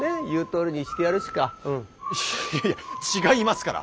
いや違いますから！